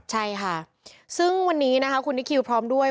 ใช่ค่ะซึ่งวันนี้ครูอีกครีวพร้อมด้วย